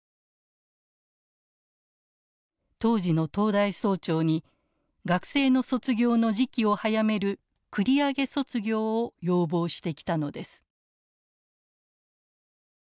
当時の東大総長に学生の卒業の時期を早める繰り上げ卒業を要望してきたのです。